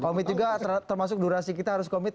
komit juga termasuk durasi kita harus komit